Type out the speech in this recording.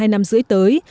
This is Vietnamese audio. hai năm rưỡi tới